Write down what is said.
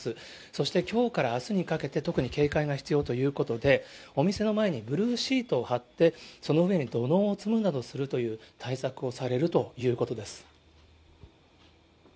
そしてきょうからあすにかけて、特に警戒が必要ということで、お店の前にブルーシートを張って、その上に土のうを積むなどするという対策をされるということです。